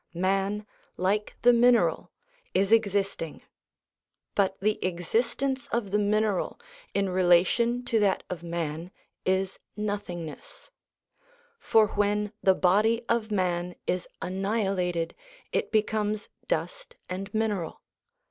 Man, like the mineral, is existing ; but the existence of the mineral in relation to that of man is nothingness, for when the body of man is annihilated it becomes dust and mineral.